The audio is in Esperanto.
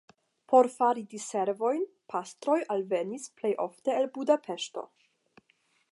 Por fari diservojn pastroj alvenis plej ofte el Budapeŝto.